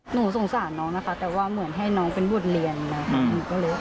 หนูสงสารน้องนะคะแต่ว่าเหมือนให้น้องเป็นบทเรียนนะคะ